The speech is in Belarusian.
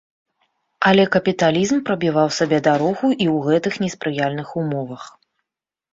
Але капіталізм прабіваў сабе дарогу і ў гэтых неспрыяльных умовах.